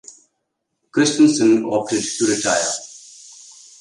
Christensen opted to retire.